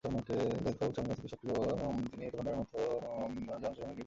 জাহিদ ফারুক শামীম রাজনীতিতে সক্রিয় এবং তিনি প্রথম বারের মতো সংসদ সদস্য নির্বাচিত হয়েছেন।